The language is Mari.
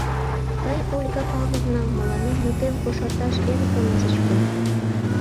— Тый, Ольга Павловна, мыланем мутем кошарташ эрыкым ыжыч пу.